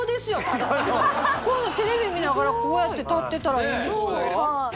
ただテレビ見ながらこうやって立ってたらいいんですか